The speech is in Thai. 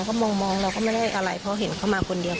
เขามองเราก็ไม่ได้อะไรเพราะเห็นเขามาคนเดียว